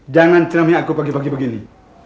jangan cermin aku pagi pagi begini